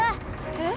えっ？